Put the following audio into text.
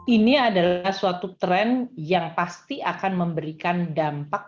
ini adalah suatu tren yang pasti akan memberikan dampak